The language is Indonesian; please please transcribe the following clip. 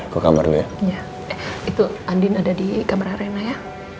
kok kamarnya itu andi ada di kamar arena ya